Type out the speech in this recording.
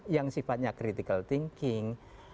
yang sifatnya critical thinking